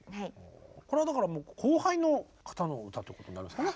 これはだから後輩の方の歌ってことになりますかね。